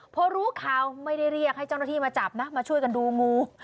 พอรู้ข่าวไม่ได้เรียกให้เจ้าหน้าที่มาจับนะมาช่วยกันดูงู